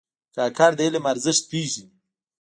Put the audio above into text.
کاکړ د علم ارزښت پېژني.